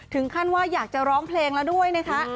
ถึงขั้นว่าอยากจะร้องเพลงแล้วด้วยนะคะ